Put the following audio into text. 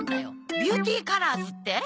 ビューティーカラーズって？